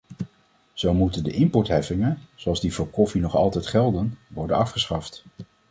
Zo moeten de importheffingen, zoals die voor koffie nog altijd gelden, worden afgeschaft.